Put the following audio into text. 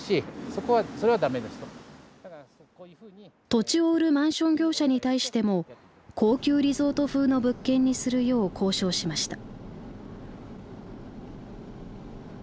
土地を売るマンション業者に対しても高級リゾート風の物件にするよう交渉しました。